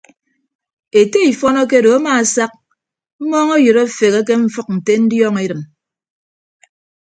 Ete ifọn akedo amaasak mmọọñọyịd afeghe ke mfʌk nte ndiọñ edịm.